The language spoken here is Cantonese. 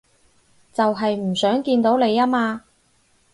就係唔想見到你吖嘛